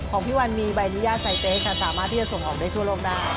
ของพี่วันมีใบอนุญาตไซเตสค่ะสามารถที่จะส่งออกได้ทั่วโลกได้